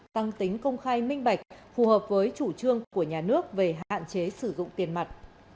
tăng tính công khai minh bạch phù hợp với chủ trương của nhà nước về hạn chế sử dụng tiền mặt